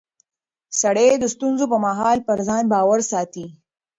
سړی د ستونزو پر مهال پر ځان باور ساتي